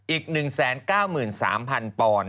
อีก๑๙๓๐๐๐บาท